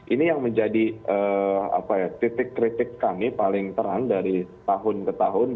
ini yang menjadi titik kritik kami paling terang dari tahun ke tahun